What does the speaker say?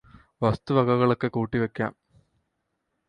വസ്തുവകകളൊക്കെ കൂട്ടിവയ്ക്കാം